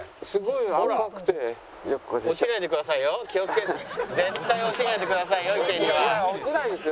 いや落ちないですよ。